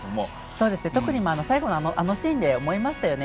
特に最後のあのシーンで思いましたよね。